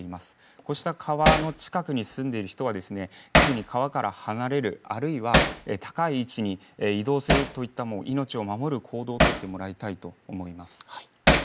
こうした川の近くに住んでいる人はすぐに川から離れるあるいは高い位置に移動するといった命を守る行動をとってもらいたいと思います。